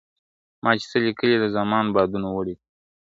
ما چي څه لیکلي د زمان بادونو وړي دي `